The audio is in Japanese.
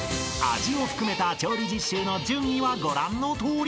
［味を含めた調理実習の順位はご覧のとおり］